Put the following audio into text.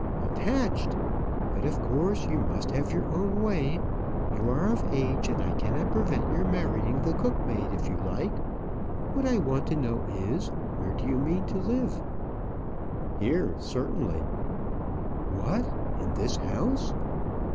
"Attached! But, of course, you must have your own way. You are of age, and I cannot prevent your marrying the cook maid if you like. What I want to know is, where do you mean to live?" "Here, certainly." "What! in this house?"